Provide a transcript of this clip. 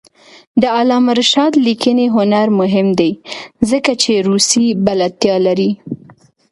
د علامه رشاد لیکنی هنر مهم دی ځکه چې روسي بلدتیا لري.